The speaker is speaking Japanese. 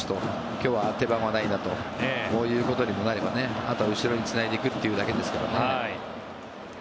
今日は登板はないなということにもなればあとは後ろにつないでいくってだけですからね。